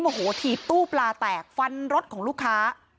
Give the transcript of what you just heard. โอ้โหถีบตู้ปลาแตกฟันรถของลูกค้า